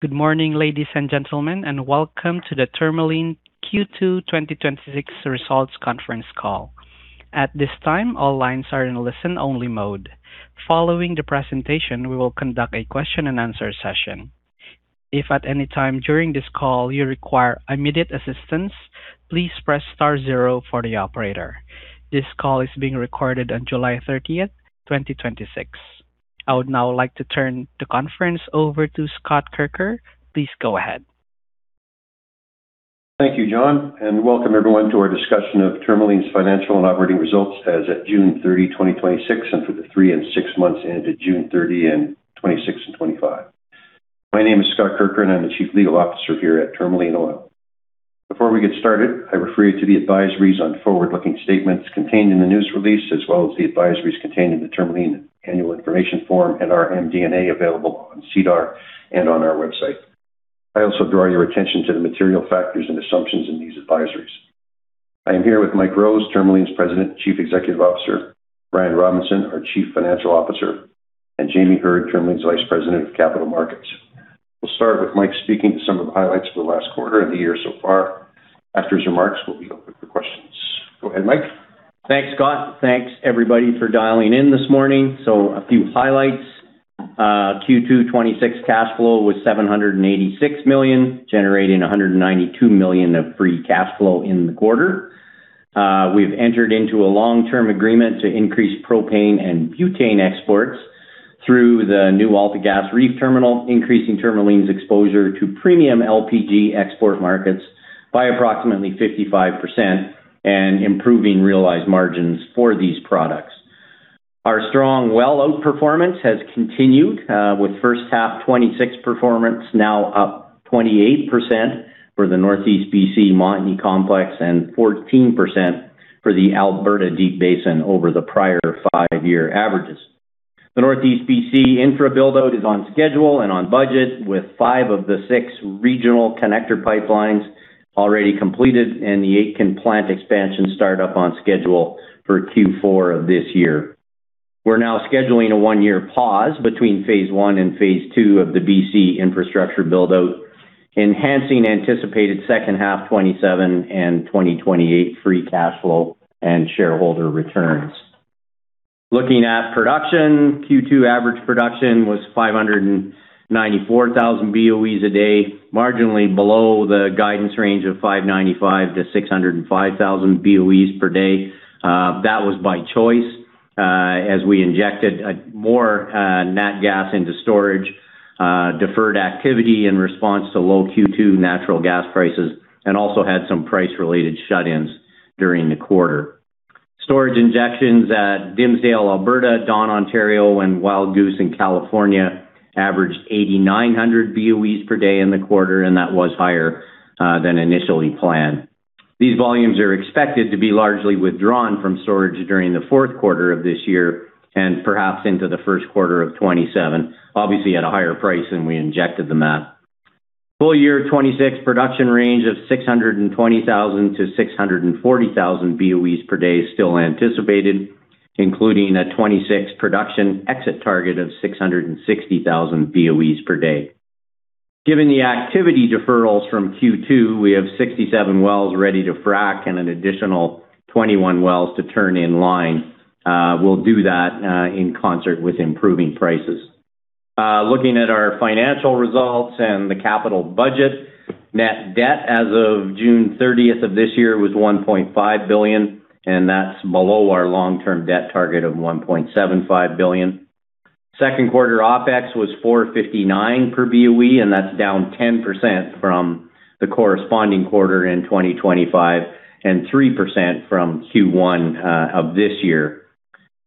Good morning, ladies and gentlemen, welcome to the Tourmaline Q2 2026 results conference call. At this time, all lines are in listen-only mode. Following the presentation, we will conduct a question-and answer-session. If at any time during this call you require immediate assistance, please press star zero for the operator. This call is being recorded on July 30, 2026. I would now like to turn the conference over to Scott Kirker. Please go ahead. Thank you, John, welcome everyone to our discussion of Tourmaline's financial and operating results as at June 30, 2026, and for the three and six months ended June 30 in 2026 and 2025. My name is Scott Kirker, and I am the Chief Legal Officer here at Tourmaline Oil. Before we get started, I refer you to the advisories on forward-looking statements contained in the news release, as well as the advisories contained in the Tourmaline annual information form and our MD&A available on SEDAR and on our website. I also draw your attention to the material factors and assumptions in these advisories. I am here with Mike Rose, Tourmaline's President Chief Executive Officer, Brian Robinson, our Chief Financial Officer, and Jamie Heard, Tourmaline's Vice President of Capital Markets. We'll start with Mike speaking to some of the highlights for the last quarter and the year so far. After his remarks, we'll be open for questions. Go ahead, Mike. Thanks, Scott. Thanks everybody for dialing in this morning. A few highlights. Q2 2026 cash flow was 786 million, generating 192 million of free cash flow in the quarter. We've entered into a long-term agreement to increase propane and butane exports through the new AltaGas REEF terminal, increasing Tourmaline's exposure to premium LPG export markets by approximately 55% and improving realized margins for these products. Our strong well outperformance has continued, with first half 2026 performance now up 28% for the Northeast BC Montney Complex and 14% for the Alberta Deep Basin over the prior five-year averages. The Northeast BC infra build-out is on schedule and on budget, with five of the six regional connector pipelines already completed and the Aitken plant expansion start-up on schedule for Q4 of this year. We're now scheduling a one-year pause between phase one and phase two of the B.C. infrastructure build-out, enhancing anticipated second half 2027 and 2028 free cash flow and shareholder returns. Looking at production, Q2 average production was 594,000 BOEs a day, marginally below the guidance range of 595,000-605,000 BOEs per day. That was by choice, as we injected more nat gas into storage, deferred activity in response to low Q2 natural gas prices, and also had some price-related shut-ins during the quarter. Storage injections at Dimsdale, Alberta, Dawn, Ontario, and Wild Goose in California averaged 8,900 BOEs per day in the quarter, and that was higher than initially planned. These volumes are expected to be largely withdrawn from storage during the fourth quarter of this year and perhaps into the first quarter of 2027, obviously at a higher price than we injected them at. Full year 2026 production range of 620,000-640,000 BOEs per day is still anticipated, including a 2026 production exit target of 660,000 BOEs per day. Given the activity deferrals from Q2, we have 67 wells ready to frack and an additional 21 wells to turn in line. We'll do that in concert with improving prices. Looking at our financial results and the capital budget, net debt as of June 30th of this year was 1.5 billion, and that's below our long-term debt target of 1.75 billion. Second quarter OpEx was 4.59 per BOE, and that's down 10% from the corresponding quarter in 2025 and 3% from Q1 of this year.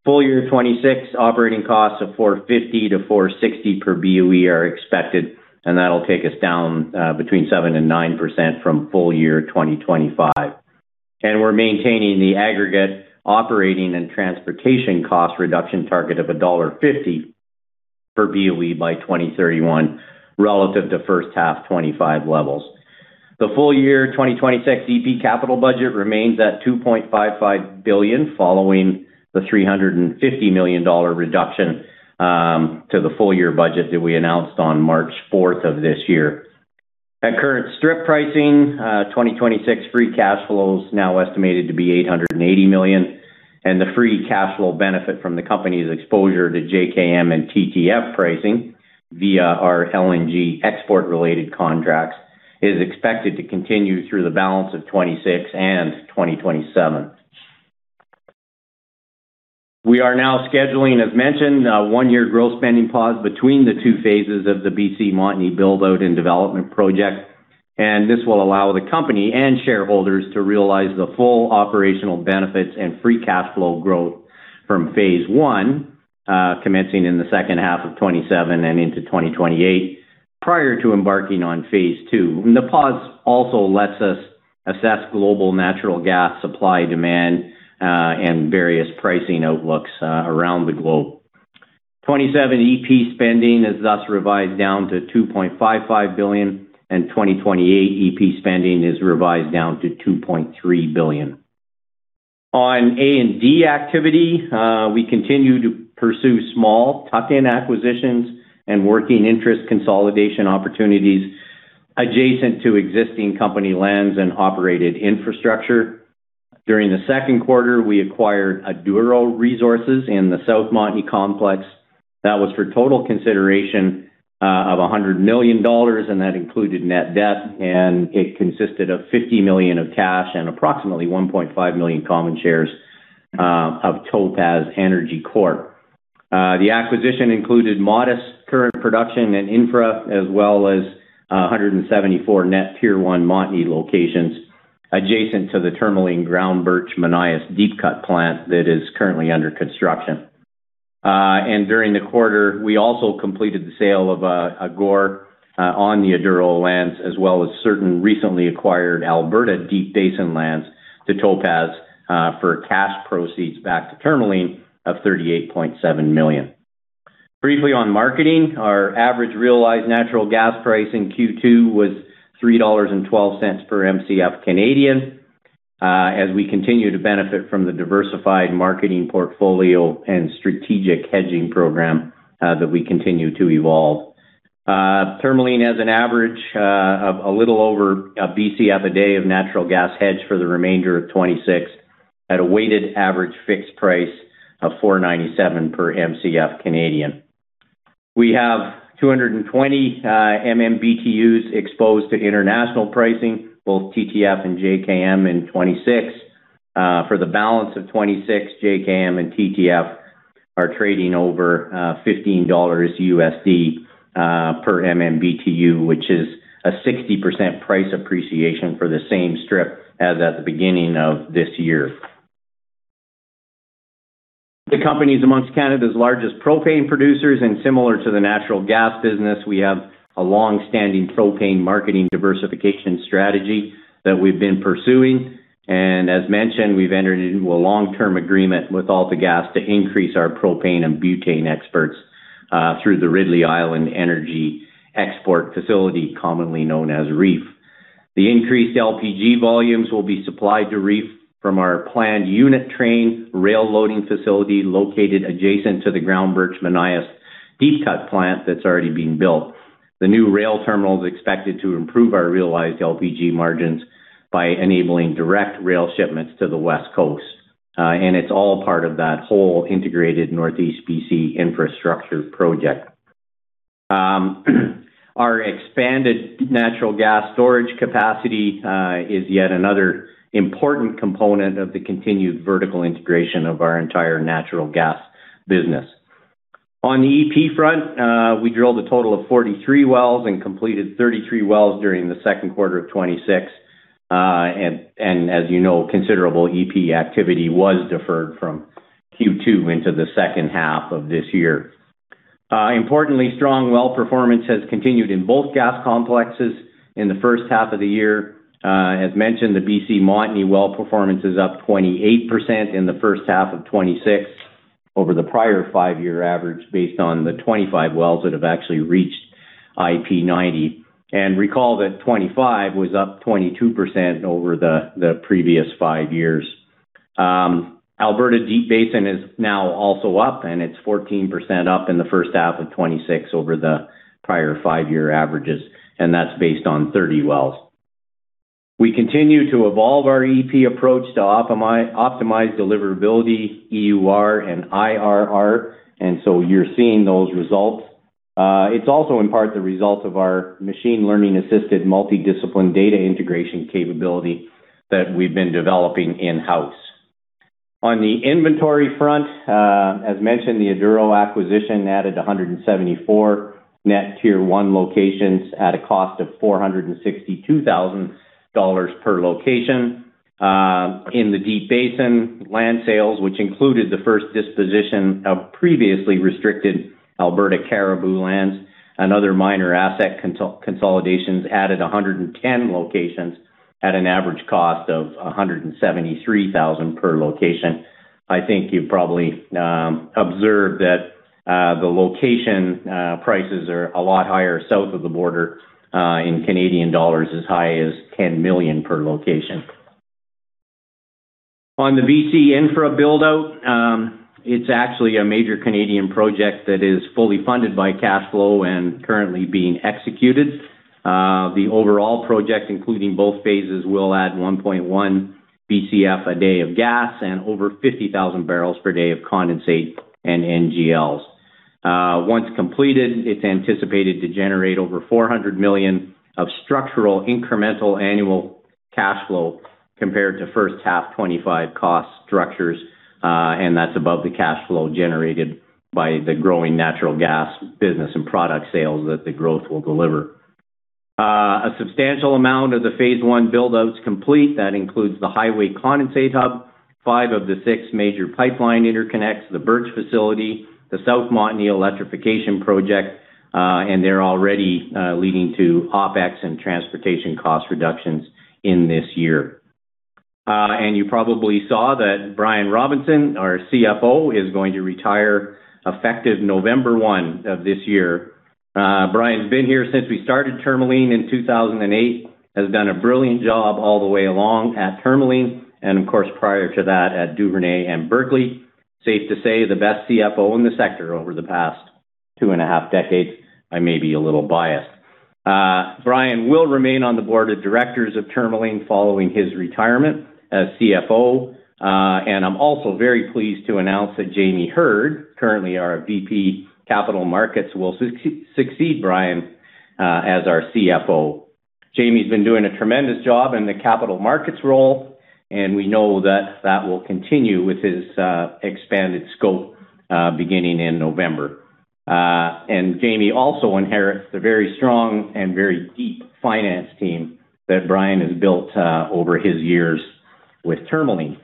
Full year 2026 operating costs of 4.50-4.60 per BOE are expected, and that'll take us down between 7% and 9% from full year 2025. We're maintaining the aggregate operating and transportation cost reduction target of CAD 1.50 per BOE by 2031 relative to first half 2025 levels. The full year 2026 EP capital budget remains at 2.55 billion, following the 350 million dollar reduction to the full year budget that we announced on March 4th of this year. At current strip pricing, 2026 free cash flow is now estimated to be 880 million, and the free cash flow benefit from the company's exposure to JKM and TTF pricing via our LNG export-related contracts is expected to continue through the balance of 2026 and 2027. We are now scheduling, as mentioned, a one-year growth spending pause between the two phases of the B.C. Montney build-out and development project. This will allow the company and shareholders to realize the full operational benefits and free cash flow growth from phase one, commencing in the second half of 2027 and into 2028, prior to embarking on phase two. The pause also lets us assess global natural gas supply, demand, and various pricing outlooks around the globe. 2027 EP spending is thus revised down to 2.55 billion, and 2028 EP spending is revised down to 2.3 billion. On A and D activity, we continue to pursue small tuck-in acquisitions and working interest consolidation opportunities adjacent to existing company lands and operated infrastructure. During the second quarter, we acquired Aduro Resources in the South Montney complex. That was for total consideration of 100 million dollars, that included net debt, it consisted of 50 million of cash and approximately 1.5 million common shares of Topaz Energy Corp. The acquisition included modest current production and infra as well as 174 net tier 1 Montney locations adjacent to the Tourmaline Groundbirch-Monias deep cut plant that is currently under construction. During the quarter, we also completed the sale of GORR on the Aduro lands, as well as certain recently acquired Alberta Deep Basin lands to Topaz for cash proceeds back to Tourmaline of 38.7 million. Briefly on marketing, our average realized natural gas price in Q2 was 3.12 dollars per Mcf. As we continue to benefit from the diversified marketing portfolio and strategic hedging program that we continue to evolve. Tourmaline has an average of a little over a Bcf a day of natural gas hedge for the remainder of 2026 at a weighted average fixed price of 497 per Mcf. We have 220 MMBtu exposed to international pricing, both TTF and JKM in 2026. For the balance of 2026, JKM and TTF are trading over $15 USD per MMBtu, which is a 60% price appreciation for the same strip as at the beginning of this year. The company's amongst Canada's largest propane producers, similar to the natural gas business, we have a long-standing propane marketing diversification strategy that we've been pursuing. As mentioned, we've entered into a long-term agreement with AltaGas to increase our propane and butane exports through the Ridley Island Energy Export Facility, commonly known as REEF. The increased LPG volumes will be supplied to REEF from our planned unit train rail loading facility located adjacent to the Groundbirch-Monias deep cut plant that's already being built. The new rail terminal is expected to improve our realized LPG margins by enabling direct rail shipments to the West Coast. It's all part of that whole integrated Northeast BC infrastructure project. Our expanded natural gas storage capacity is yet another important component of the continued vertical integration of our entire natural gas business. On the EP front, we drilled a total of 43 wells and completed 33 wells during the second quarter of 2026. As you know, considerable EP activity was deferred from Q2 into the second half of this year. Importantly, strong well performance has continued in both gas complexes in the first half of the year. As mentioned, the BC Montney well performance is up 28% in the first half of 2026 over the prior five-year average, based on the 25 wells that have actually reached IP 90. Recall that 25 was up 22% over the previous five years. Alberta Deep Basin is now also up, it's 14% up in the first half of 2026 over the prior five-year averages, that's based on 30 wells. We continue to evolve our EP approach to optimize deliverability, EUR, and IRR, so you're seeing those results. It's also in part the result of our machine learning-assisted multi-discipline data integration capability that we've been developing in-house. On the inventory front, as mentioned, the Aduro acquisition added 174 net Tier 1 locations at a cost of 462,000 dollars per location. In the Deep Basin land sales, which included the first disposition of previously restricted Alberta Caribou lands and other minor asset consolidations, added 110 locations at an average cost of 173,000 per location. I think you've probably observed that the location prices are a lot higher south of the border in Canadian dollars, as high as 10 million per location. On the B.C. infra build-out, it's actually a major Canadian project that is fully funded by cash flow and currently being executed. The overall project, including both phases, will add 1.1 Bcf a day of gas and over 50,000 barrels per day of condensate and NGLs. Once completed, it's anticipated to generate over 400 million of structural incremental annual cash flow compared to first half 2025 cost structures, and that's above the cash flow generated by the growing natural gas business and product sales that the growth will deliver. A substantial amount of the phase one build-out is complete. That includes the highway condensate hub, five of the six major pipeline interconnects, the Birch facility, the South Montney electrification project, and they're already leading to OpEx and transportation cost reductions in this year. You probably saw that Brian Robinson, our CFO, is going to retire effective November 1 of this year. Brian's been here since we started Tourmaline in 2008, has done a brilliant job all the way along at Tourmaline, and of course, prior to that at Duvernay and Berkley. Safe to say, the best CFO in the sector over the past two and a half decades. I may be a little biased. Brian will remain on the board of directors of Tourmaline following his retirement as CFO. I'm also very pleased to announce that Jamie Heard, currently our VP Capital Markets, will succeed Brian as our CFO. Jamie's been doing a tremendous job in the capital markets role, and we know that that will continue with his expanded scope beginning in November. Jamie also inherits the very strong and very deep finance team that Brian has built over his years with Tourmaline.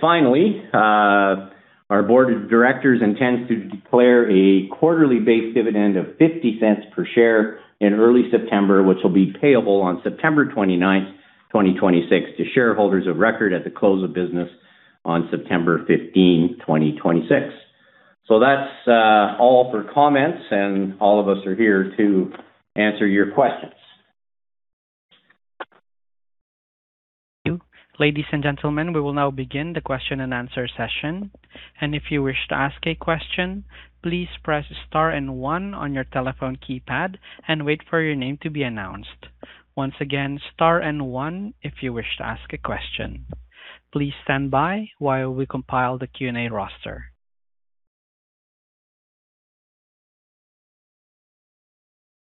Finally, our board of directors intends to declare a quarterly-based dividend of 0.50 per share in early September, which will be payable on September 29th, 2026, to shareholders of record at the close of business on September 15, 2026. That's all for comments, and all of us are here to answer your questions. Thank you. Ladies and gentlemen, we will now begin the question-and-answer session. If you wish to ask a question, please press star and one on your telephone keypad and wait for your name to be announced. Once again, star and one if you wish to ask a question. Please stand by while we compile the Q&A roster.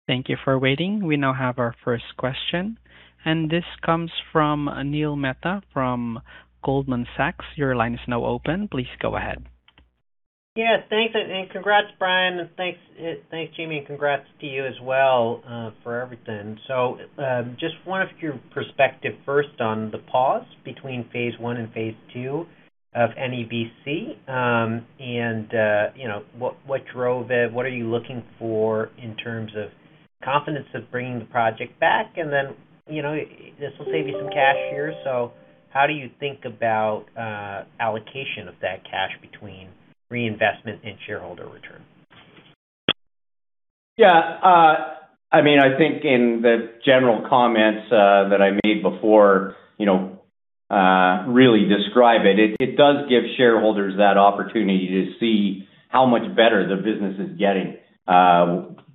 Thank you for waiting. We now have our first question, and this comes from Neil Mehta from Goldman Sachs. Your line is now open. Please go ahead. Thanks. Congrats, Brian. Thanks, Jamie. Congrats to you as well for everything. Just wanted your perspective first on the pause between phase one and phase two of NEBC. What drove it? What are you looking for in terms of confidence of bringing the project back? This will save you some cash here. How do you think about allocation of that cash between reinvestment and shareholder return? I think in the general comments that I made before really describe it. It does give shareholders that opportunity to see how much better the business is getting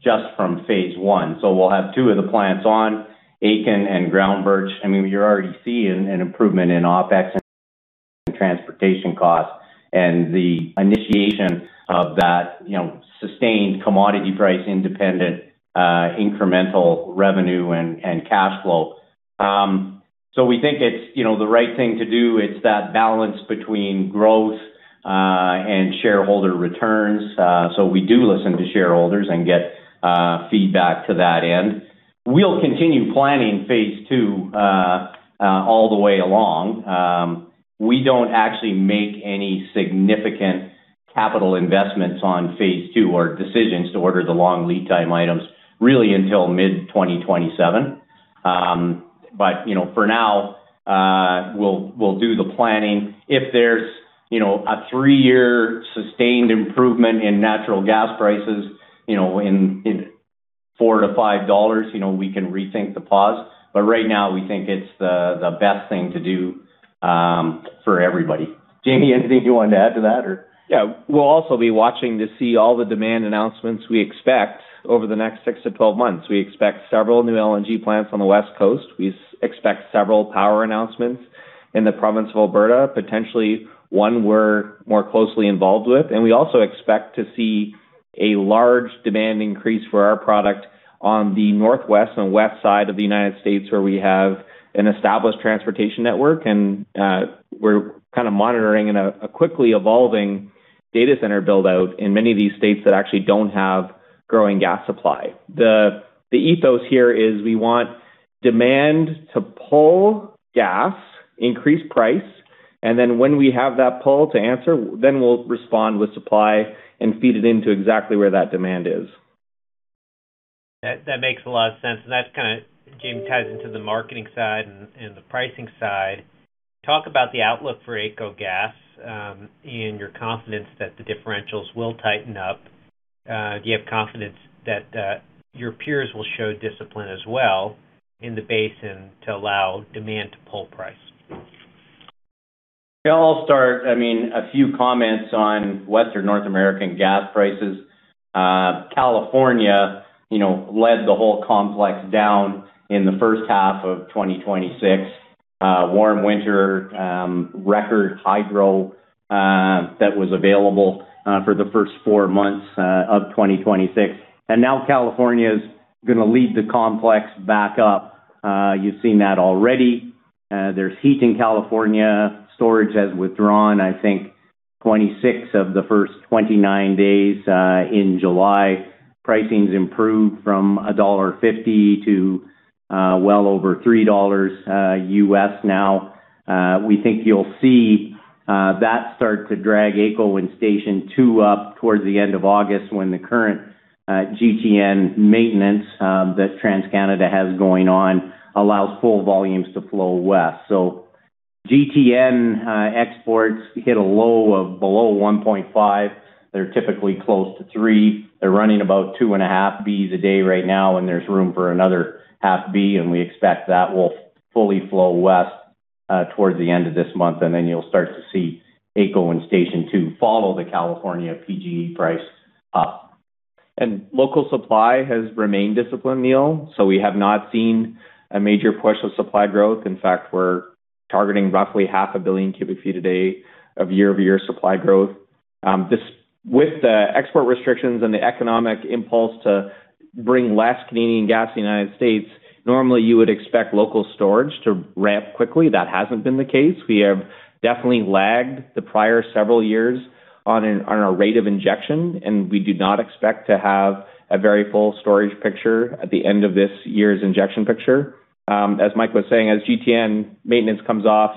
just from phase one. We'll have two of the plants on Aitken and Groundbirch. You're already seeing an improvement in OpEx and transportation costs and the initiation of that sustained commodity price, independent incremental revenue and cash flow. We think it's the right thing to do. It's that balance between growth and shareholder returns. We do listen to shareholders and get feedback to that end. We'll continue planning phase two all the way along. We don't actually make any significant capital investments on phase two or decisions to order the long lead time items really until mid-2027. For now, we'll do the planning. If there's a three-year sustained improvement in natural gas prices in 4-5 dollars, we can rethink the pause. Right now, we think it's the best thing to do for everybody. Jamie, anything you wanted to add to that? We'll also be watching to see all the demand announcements we expect over the next 6-12 months. We expect several new LNG plants on the West Coast. We expect several power announcements in the province of Alberta, potentially one we're more closely involved with. We also expect to see a large demand increase for our product on the northwest and west side of the U.S., where we have an established transportation network, and we're kind of monitoring a quickly evolving data center build-out in many of these states that actually don't have growing gas supply. The ethos here is we want demand to pull gas, increase price. When we have that pull to answer, we'll respond with supply and feed it into exactly where that demand is. That makes a lot of sense, that kind of, Jamie, ties into the marketing side and the pricing side. Talk about the outlook for AECO gas and your confidence that the differentials will tighten up. Do you have confidence that your peers will show discipline as well in the basin to allow demand to pull price? Yeah, I'll start. A few comments on Western North American gas prices. California led the whole complex down in the first half of 2026. Warm winter, record hydro that was available for the first four months of 2026. Now California's going to lead the complex back up. You've seen that already. There's heat in California. Storage has withdrawn, I think 26 of the first 29 days in July. Pricing's improved from $1.50 to well over $3 US now. We think you'll see that start to drag AECO and Station 2 up towards the end of August when the current GTN maintenance that TransCanada has going on allows full volumes to flow west. GTN exports hit a low of below 1.5. They're typically close to 3. They're running about two and a half Bs a day right now, there's room for another half B, we expect that will fully flow west towards the end of this month, then you'll start to see AECO and Station two follow the California PG&E price up. Local supply has remained disciplined, Neil, we have not seen a major push of supply growth. In fact, we're targeting roughly half a billion cubic feet a day of year-over-year supply growth. With the export restrictions and the economic impulse to bring less Canadian gas to the United States, normally you would expect local storage to ramp quickly. That hasn't been the case. We have definitely lagged the prior several years on our rate of injection, we do not expect to have a very full storage picture at the end of this year's injection picture. As Mike was saying, as GTN maintenance comes off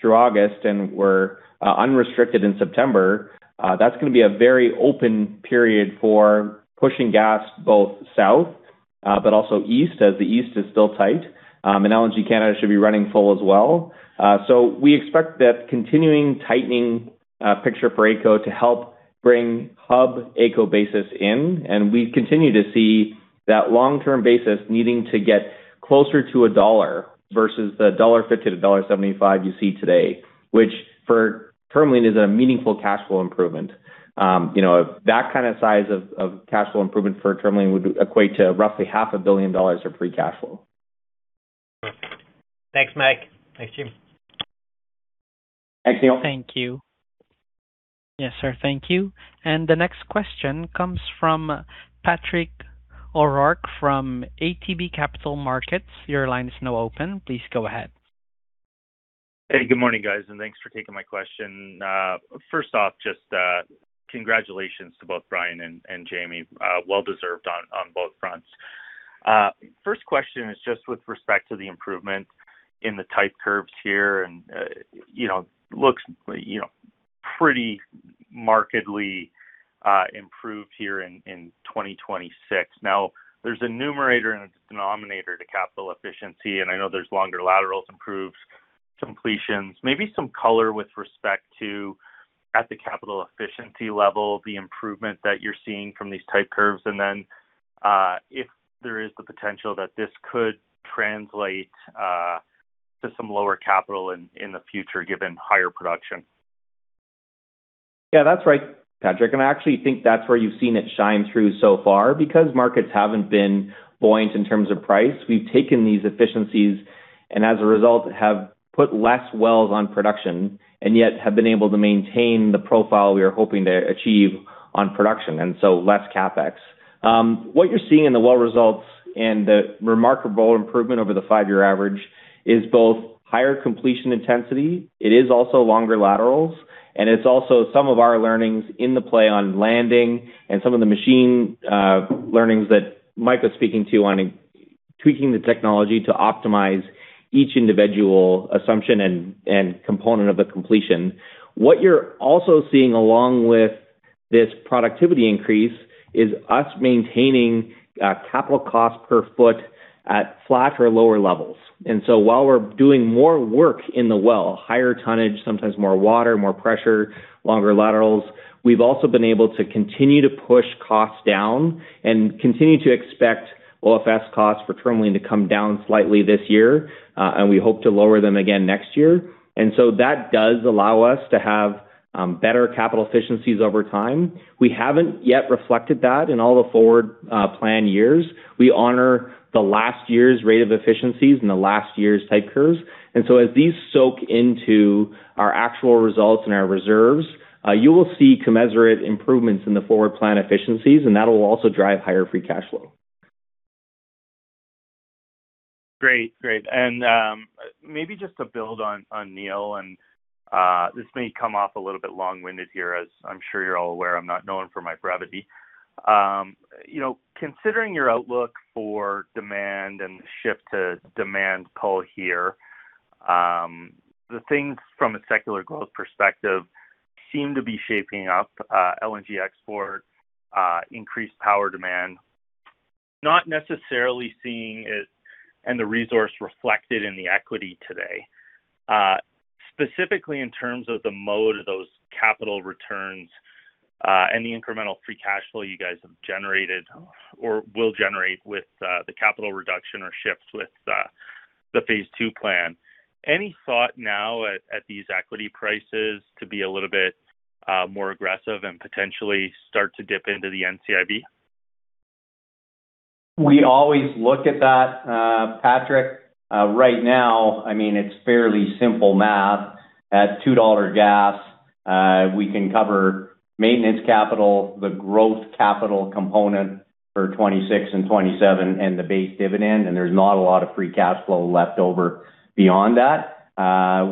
through August and we're unrestricted in September, that's going to be a very open period for pushing gas both south, but also east, as the east is still tight. LNG Canada should be running full as well. We expect that continuing tightening picture for AECO to help bring hub AECO basis in, and we continue to see that long-term basis needing to get closer to CAD 1 versus the dollar 1.50 to dollar 1.75 you see today, which for Tourmaline, is a meaningful cash flow improvement. That kind of size of cash flow improvement for Tourmaline would equate to roughly 500 million dollars of free cash flow. Thanks, Mike. Thanks, Jim. Thanks, Neil. Thank you. Yes, sir. Thank you. The next question comes from Patrick O'Rourke from ATB Capital Markets. Your line is now open. Please go ahead. Hey, good morning, guys, thanks for taking my question. First off, just congratulations to both Brian and Jamie. Well deserved on both fronts. First question is just with respect to the improvement in the type curves here, it looks pretty markedly improved here in 2026. Now, there's a numerator and a denominator to capital efficiency, I know there's longer laterals, improves, completions. Maybe some color with respect to, at the capital efficiency level, the improvement that you're seeing from these type curves, if there is the potential that this could translate to some lower capital in the future, given higher production. Yeah, that's right, Patrick. I actually think that's where you've seen it shine through so far. Because markets haven't been buoyant in terms of price, we've taken these efficiencies as a result, have put less wells on production, yet have been able to maintain the profile we are hoping to achieve on production, so less CapEx. What you're seeing in the well results and the remarkable improvement over the five-year average is both higher completion intensity, it is also longer laterals, it's also some of our learnings in the play on landing some of the machine learnings that Mike was speaking to on tweaking the technology to optimize each individual assumption and component of the completion. What you're also seeing along with this productivity increase is us maintaining capital cost per foot at flat or lower levels. While we're doing more work in the well, higher tonnage, sometimes more water, more pressure, longer laterals, we've also been able to continue to push costs down, continue to expect OFS costs for Tourmaline to come down slightly this year, we hope to lower them again next year. That does allow us to have better capital efficiencies over time. We haven't yet reflected that in all the forward plan years. We honor the last year's rate of efficiencies and the last year's type curves. As these soak into our actual results and our reserves, you will see commensurate improvements in the forward plan efficiencies, that will also drive higher free cash flow. Great. Maybe just to build on Neil, this may come off a little bit long-winded here, as I'm sure you're all aware, I'm not known for my brevity. Considering your outlook for demand and the shift to demand pull here, the things from a secular growth perspective seem to be shaping up. LNG export, increased power demand, not necessarily seeing it and the resource reflected in the equity today. Specifically in terms of the mode of those capital returns, any incremental free cash flow you guys have generated or will generate with the capital reduction or shifts with the phase two plan. Any thought now at these equity prices to be a little bit more aggressive, potentially start to dip into the NCIB? We always look at that, Patrick. Right now, it is fairly simple math. At 2 dollar gas, we can cover maintenance capital, the growth capital component for 2026 and 2027, and the base dividend, and there is not a lot of free cash flow left over beyond that.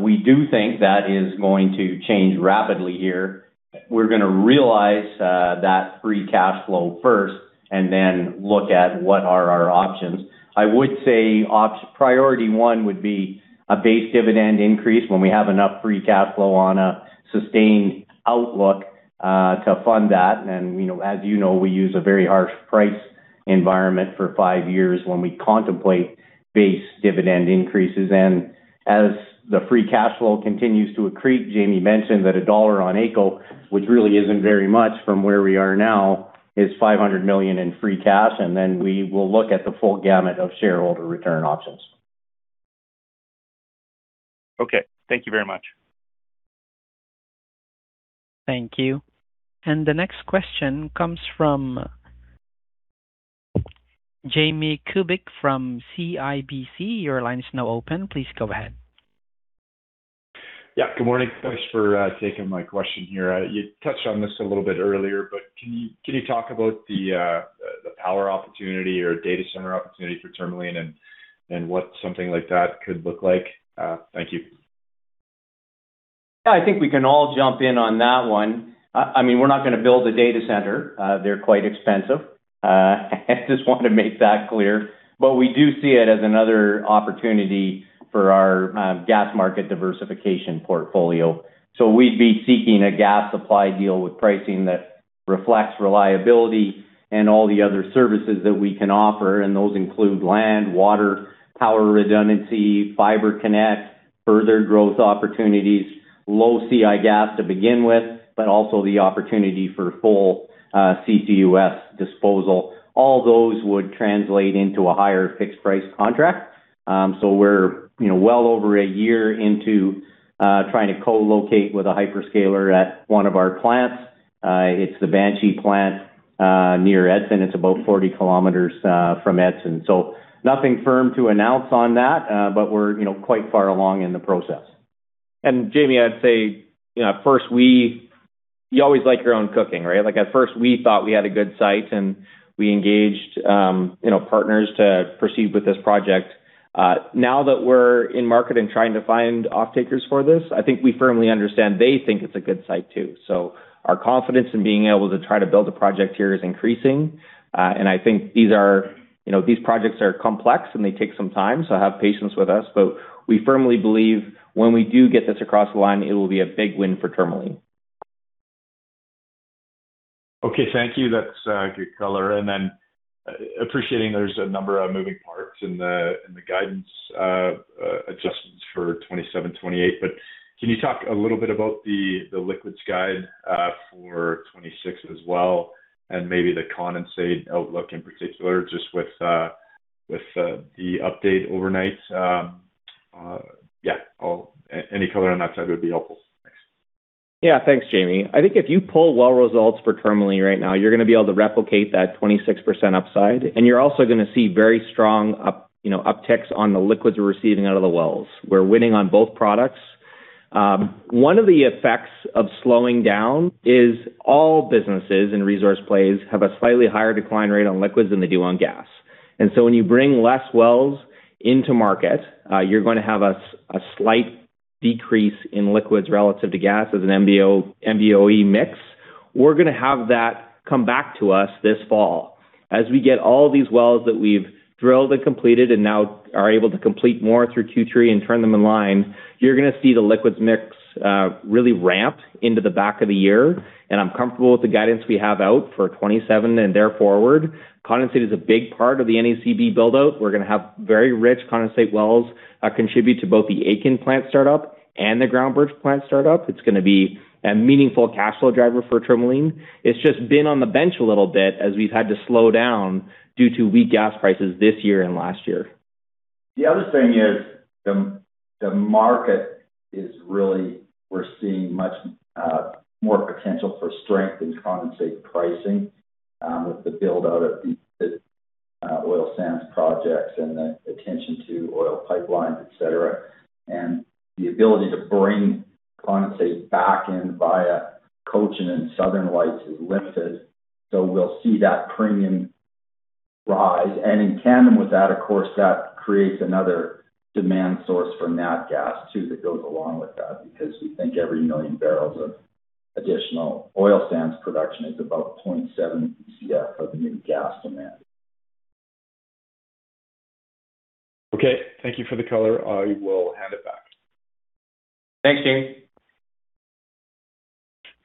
We do think that is going to change rapidly here. We are going to realize that free cash flow first and then look at what are our options. I would say priority one would be a base dividend increase when we have enough free cash flow on a sustained outlook to fund that. As you know, we use a very harsh price environment for five years when we contemplate base dividend increases. As the free cash flow continues to accrete, Jamie mentioned that CAD 1 on AECO, which really is not very much from where we are now, is 500 million in free cash. Then we will look at the full gamut of shareholder return options. Okay. Thank you very much. Thank you. The next question comes from Jamie Kubik from CIBC. Your line is now open. Please go ahead. Good morning. Thanks for taking my question here. You touched on this a little bit earlier, but can you talk about the power opportunity or data center opportunity for Tourmaline and what something like that could look like? Thank you. I think we can all jump in on that one. We're not going to build a data center. They're quite expensive. I just want to make that clear. We do see it as another opportunity for our gas market diversification portfolio. We'd be seeking a gas supply deal with pricing that reflects reliability and all the other services that we can offer, and those include land, water, power redundancy, fiber connect, further growth opportunities, low CI gas to begin with, but also the opportunity for full CCUS disposal. All those would translate into a higher fixed price contract. We're well over a year into trying to co-locate with a hyperscaler at one of our plants. It's the Banshee plant, near Edson. It's about 40 km from Edson. Nothing firm to announce on that, but we're quite far along in the process. Jamie, I'd say, at first, you always like your own cooking, right? At first, we thought we had a good site and we engaged partners to proceed with this project. Now that we're in market and trying to find offtakers for this, I think we firmly understand they think it's a good site, too. Our confidence in being able to try to build a project here is increasing. I think these projects are complex and they take some time, so have patience with us. We firmly believe when we do get this across the line, it will be a big win for Tourmaline. Okay, thank you. That's good color. Appreciating there's a number of moving parts in the guidance adjustments for 2027, 2028. Can you talk a little bit about the liquids guide for 2026 as well and maybe the condensate outlook in particular, just with the update overnight? Any color on that side would be helpful. Thanks. Thanks, Jamie. I think if you pull well results for Tourmaline right now, you are going to be able to replicate that 26% upside, and you are also going to see very strong upticks on the liquids we are receiving out of the wells. We are winning on both products. One of the effects of slowing down is all businesses in resource plays have a slightly higher decline rate on liquids than they do on gas. So when you bring less wells into market, you are going to have a slight decrease in liquids relative to gas as an MBOE mix. We are going to have that come back to us this fall. As we get all these wells that we have drilled and completed and now are able to complete more through Q3 and turn them in line, you are going to see the liquids mix really ramp into the back of the year. I am comfortable with the guidance we have out for 2027 and thereafterward. Condensate is a big part of the NEBC build-out. We are going to have very rich condensate wells contribute to both the Aitken plant start-up and the Groundbirch plant start-up. It is going to be a meaningful cash flow driver for Tourmaline. It has just been on the bench a little bit as we have had to slow down due to weak gas prices this year and last year. The other thing is the market is really seeing much more potential for strength in condensate pricing, with the build-out of the oil sands projects and the attention to oil pipelines, et cetera. The ability to bring condensate back in via Cochin and Southern Lights is limited. We will see that premium rise. In tandem with that, of course, that creates another demand source from nat gas, too, that goes along with that because we think every million barrels of additional oil sands production is about 0.7 Bcf of new gas demand. Okay. Thank you for the color. I will hand it back. Thanks, Jamie.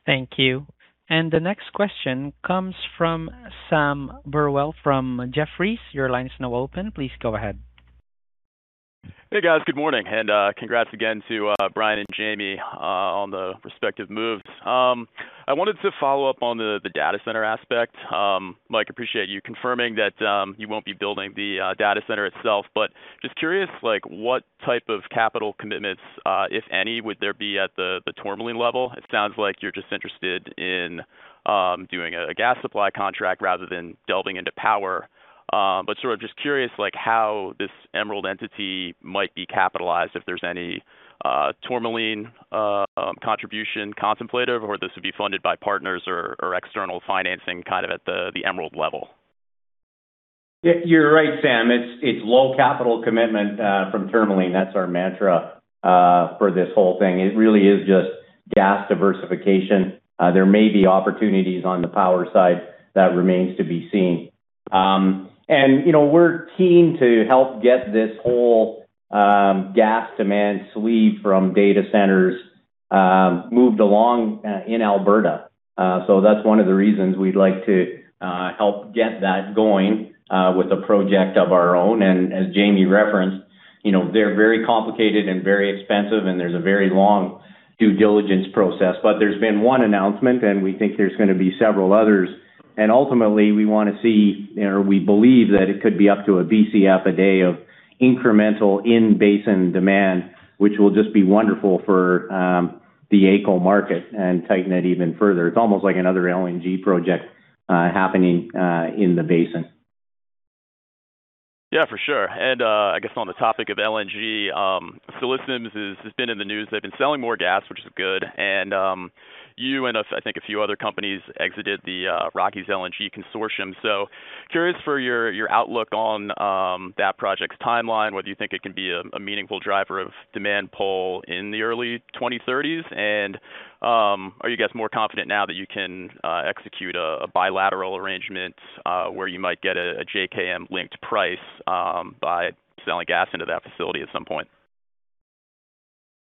Thank you. The next question comes from Sam Burwell from Jefferies. Your line is now open. Please go ahead. Hey, guys. Good morning. Congrats again to Brian and Jamie on the respective moves. I wanted to follow up on the data center aspect. Mike, appreciate you confirming that you won't be building the data center itself, just curious, what type of capital commitments, if any, would there be at the Tourmaline level? It sounds like you're just interested in doing a gas supply contract rather than delving into power. Sort of just curious, how this Emerald entity might be capitalized, if there's any Tourmaline contribution contemplated, or this would be funded by partners or external financing, kind of at the Emerald level. You're right, Sam. It's low capital commitment from Tourmaline. That's our mantra for this whole thing. It really is just gas diversification. There may be opportunities on the power side. That remains to be seen. We're keen to help get this whole gas demand sleeve from data centers moved along in Alberta. That's one of the reasons we'd like to help get that going with a project of our own. As Jamie referenced, they're very complicated and very expensive, and there's a very long due diligence process. There's been one announcement, and we think there's going to be several others. Ultimately, we want to see, or we believe that it could be up to a Bcf a day of incremental in-basin demand, which will just be wonderful for the AECO market and tighten it even further. It's almost like another LNG project happening in the basin. Yeah, for sure. I guess on the topic of LNG, Cheniere Energy has been in the news. They've been selling more gas, which is good. You and, I think, a few other companies exited the Rockies LNG Partners consortium. Curious for your outlook on that project's timeline, whether you think it can be a meaningful driver of demand pull in the early 2030s, and are you guys more confident now that you can execute a bilateral arrangement where you might get a JKM-linked price by selling gas into that facility at some point?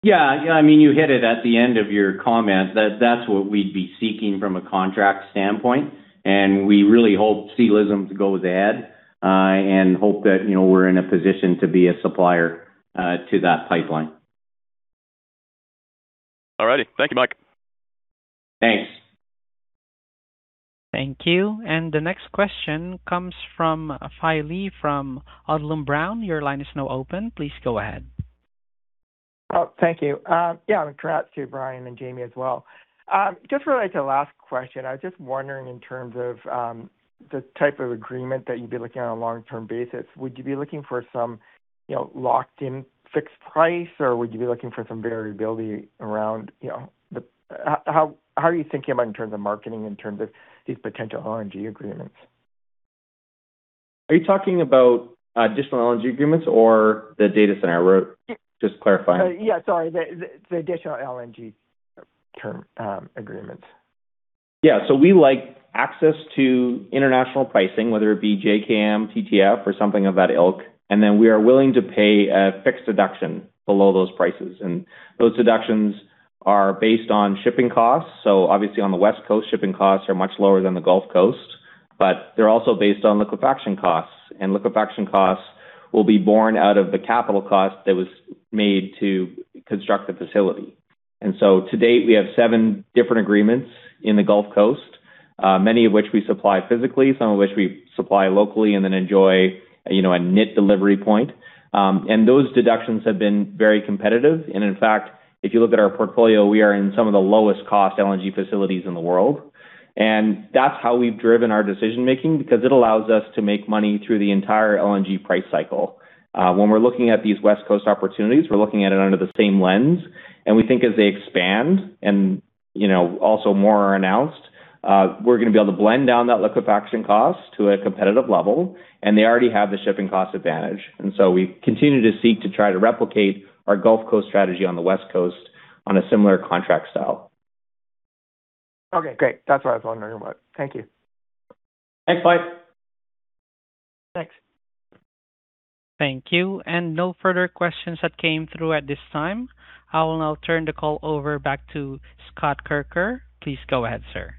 Yeah. You hit it at the end of your comment. That's what we'd be seeking from a contract standpoint, and we really hope Cheniere Energy goes ahead and hope that we're in a position to be a supplier to that pipeline. All righty. Thank you, Mike. Thanks. Thank you. The next question comes from Phil Lee from Odlum Brown. Your line is now open. Please go ahead. Oh, thank you. Yeah, congrats to Brian and Jamie as well. Just related to the last question, I was just wondering in terms of the type of agreement that you'd be looking at on a long-term basis. Would you be looking for some locked-in fixed price, or would you be looking for some variability? How are you thinking about in terms of marketing, in terms of these potential LNG agreements? Are you talking about additional LNG agreements or the data center route? Just clarifying. Yeah, sorry. The additional LNG term agreements. We like access to international pricing, whether it be JKM, TTF, or something of that ilk. We are willing to pay a fixed deduction below those prices. Those deductions are based on shipping costs. Obviously on the West Coast, shipping costs are much lower than the Gulf Coast, but they're also based on liquefaction costs. Liquefaction costs will be borne out of the capital cost that was made to construct the facility. To date, we have seven different agreements in the Gulf Coast, many of which we supply physically, some of which we supply locally and then enjoy a net delivery point. Those deductions have been very competitive. In fact, if you look at our portfolio, we are in some of the lowest cost LNG facilities in the world. That's how we've driven our decision-making because it allows us to make money through the entire LNG price cycle. When we're looking at these West Coast opportunities, we're looking at it under the same lens. We think as they expand and also more are announced, we're going to be able to blend down that liquefaction cost to a competitive level. They already have the shipping cost advantage. We continue to seek to try to replicate our Gulf Coast strategy on the West Coast on a similar contract style. Great. That's what I was wondering about. Thank you. Thanks, Phil. Thanks. Thank you. No further questions that came through at this time. I will now turn the call over back to Scott Kirker. Please go ahead, sir.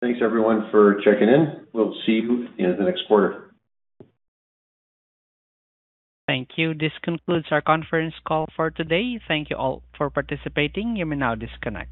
Thanks everyone for checking in. We'll see you in the next quarter. Thank you. This concludes our conference call for today. Thank you all for participating. You may now disconnect.